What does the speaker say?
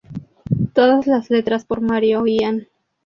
Todas las letras por Mario Ian